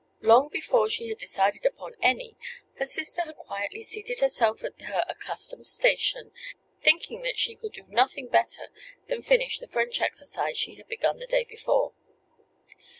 Long before she had decided upon any, her sister had quietly seated herself at her accustomed station, thinking that she could do nothing better than finish the French exercise she had begun the day before.